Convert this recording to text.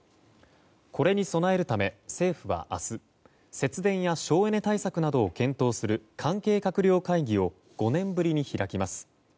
これに備えるため、政府は明日節電や省エネ対策などを検討する関係閣僚会議を５年ぶりに開きます。